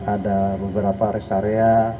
ada beberapa res area